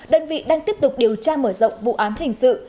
đơn vị đang tiếp tục điều tra mở rộng vụ án hình sự